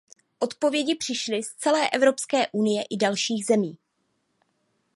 Odpovědi přišly z celé Evropské unie i dalších zemí.